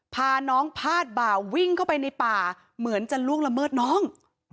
พาน้องพาดบ่าวิ่งเข้าไปในป่าเหมือนจะล่วงละเมิดน้อง